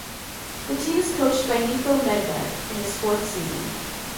The team is coached by Niko Medved in his fourth season.